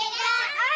はい！